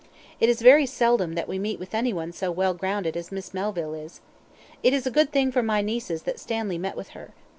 It is very seldom that we meet with any one so well grounded as Miss Melville is. It is a good thing for my nieces that Stanley met with her.